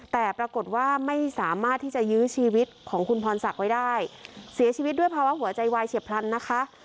แต่ปรากฏว่าไม่สามารถที่จะยื้อชีวิตของคุณพรศักดิ์ไว้ได้เสียชีวิตด้วยภาวะหัวใจวายเฉียบพลันนะคะ